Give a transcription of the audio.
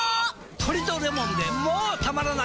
トリとレモンでもたまらない